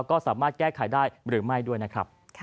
ก็สามารถแก้ไขได้หรือไม่ด้วยนะครับ